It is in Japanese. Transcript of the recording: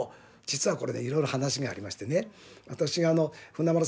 実はこれいろいろ話がありましてね。